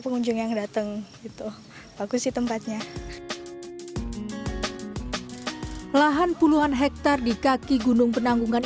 pengunjung yang datang itu bagus sih tempatnya lahan puluhan hektare di kaki gunung penanggungan